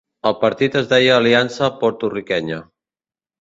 El partit es deia Aliança Porto-riquenya.